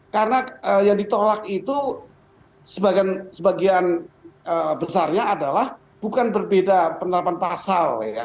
karena yang ditolak itu sebagian sebagian besarnya adalah bukan berbeda penerapan pasal ya